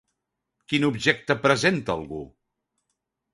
Quin objecte presenta algú?